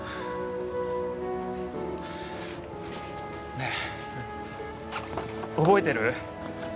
ねえ覚えてる？